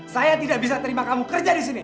saya tidak bisa terima kamu kerja di sini